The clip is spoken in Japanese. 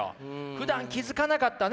ふだん気付かなかったね